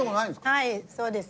はいそうです。